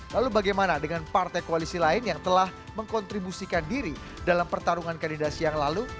lalu bagaimana dengan partai koalisi lain yang telah mengkontribusikan diri dalam pertarungan kandidasi yang lalu